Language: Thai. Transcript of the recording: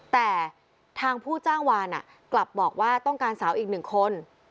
แต่ทางผู้จ้างวานกลับบอกว่าต้องการสาวอีกหนึ่งคน